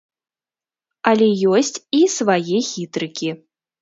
Але ёсць і свае хітрыкі.